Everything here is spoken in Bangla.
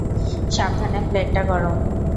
সাবধানে, প্লেটটা গরম।